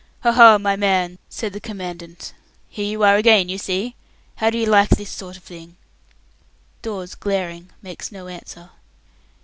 "Ha! ha! my man," said the Commandant. "Here you are again, you see. How do you like this sort of thing?" Dawes, glaring, makes no answer.